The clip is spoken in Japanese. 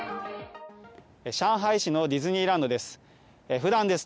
上海市のディズニーランドです。